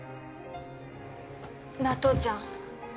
なあ父ちゃん。